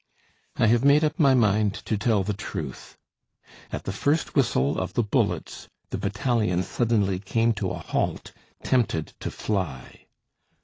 I have made up my mind to tell the truth. At the first whistle of the bullets, the battalion suddenly came to a halt, tempted to fly.